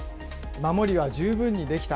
守りは十分にできた。